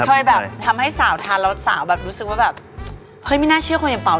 เคยแบบทำให้สาวทานแล้วสาวแบบรู้สึกว่าแบบเฮ้ยไม่น่าเชื่อคนอย่างเป่า